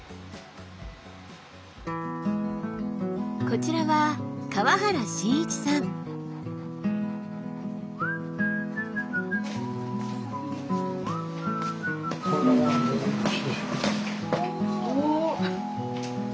こちらはお！